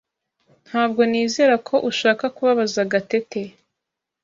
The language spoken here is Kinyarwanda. Ntabwo nizera ko ushaka kubabaza Gatete.